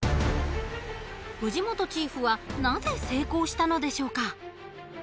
藤本チーフはなぜ成功したのでしょうか？